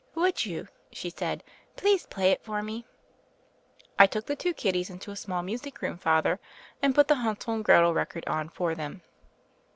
'Would you,' she said, 'please play it for me ?' I took the two kiddies into a small music room. Father, and put the Hansel and Gretel record on for them.